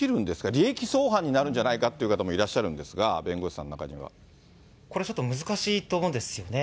利益相反になるんじゃないかっていう方もいらっしゃるんですが、これ、ちょっと難しいと思うんですよね。